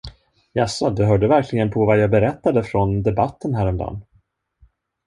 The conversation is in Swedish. Jaså, du hörde verkligen på vad jag berättade från debatten härom dan!